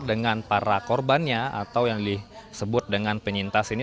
dengan para korbannya atau yang disebut dengan penyintas ini